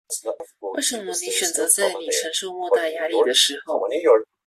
為什麼你選擇在你承受莫大壓力的時候